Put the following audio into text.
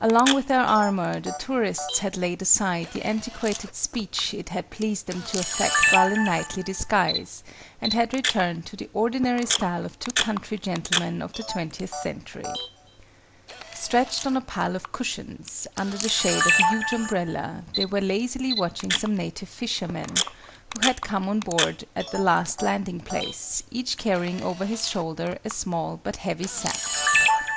Along with their armour, the tourists had laid aside the antiquated speech it had pleased them to affect while in knightly disguise, and had returned to the ordinary style of two country gentlemen of the Twentieth Century. Stretched on a pile of cushions, under the shade of a huge umbrella, they were lazily watching some native fishermen, who had come on board at the last landing place, each carrying over his shoulder a small but heavy sack.